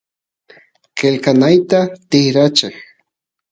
qelqanayta tikracheq